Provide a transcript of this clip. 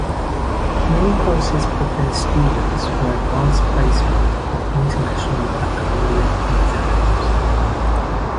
Many courses prepare students for Advanced Placement or International Baccalaureate Exams.